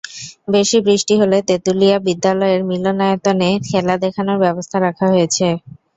বেশি বৃষ্টি হলে তেঁতুলিয়া বিদ্যালয়ের মিলনায়তনে খেলা দেখানোর ব্যবস্থা রাখা হয়েছে।